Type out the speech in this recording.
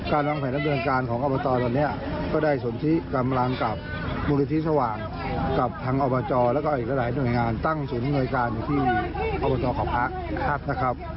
การเปิดน้ำน้ำบิจการของอบทก็ได้จะที่กำลังกับมูลีธริสว่างกับทางอบทและคร่ายหน่วยงานตั้งสวนหน่วยงานที่อบทของพระครับ